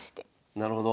なるほど。